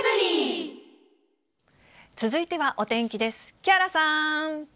続いてはお天気です。